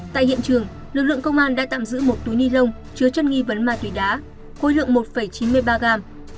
tại hiện trường lực lượng công an đã tạm giữ một túi ni lông chứa chất nghi vấn ma túy đá khối lượng một chín mươi ba gram